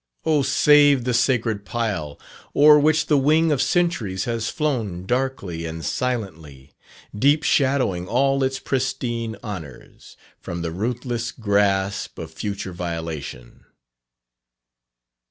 O save the sacred pile O'er which the wing of centuries has flown Darkly and silently, deep shadowing all Its pristine honours from the ruthless grasp Of future violation."